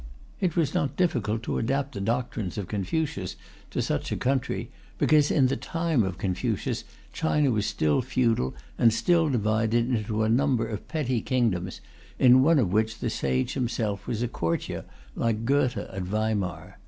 It was not difficult to adapt the doctrines of Confucius to such a country, because in the time of Confucius China was still feudal and still divided into a number of petty kingdoms, in one of which the sage himself was a courtier, like Goethe at Weimar.